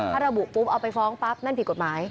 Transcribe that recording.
ถ้าระบุปุ๊บเอาไปฟ้องปั๊บนั่นผิดกฎหมาย